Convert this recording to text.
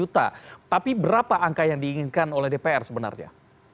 tapi berapa angka yang diinginkan oleh dpr sebenarnya